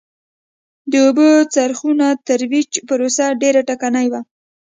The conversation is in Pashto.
د اوبو څرخونو ترویج پروسه ډېره ټکنۍ وه